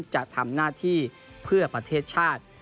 จะทำหน้าที่เพื่อประเทศชาติ